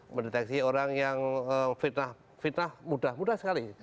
mendeteksi orang yang fitnah mudah mudah sekali